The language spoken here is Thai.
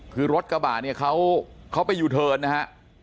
คือรถกระบะเนี่ยเขาไปยูเทิร์นนะฮะ